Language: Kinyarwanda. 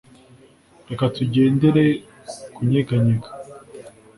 reka tugendere kunyeganyega